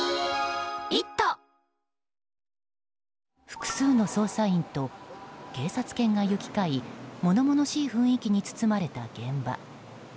複数の捜査員と警察犬が行き交い物々しい雰囲気に包まれた現場。